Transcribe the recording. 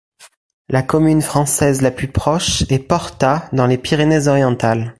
La commune française la plus proche est Porta dans les Pyrénées-Orientales.